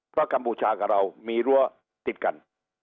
เพราะกัมพูชากับเรามีรั้วติดกัน